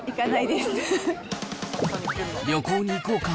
旅行に行こうか？